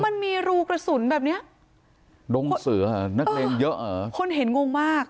มันมีรูกระสุนแบบเนี้ยดงเสือนักเลงเยอะเหรอคนเห็นงงมาก